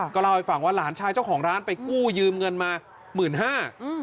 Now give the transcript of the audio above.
ก็เล่าให้ฟังว่าหลานชายเจ้าของร้านไปกู้ยืมเงินมาหมื่นห้า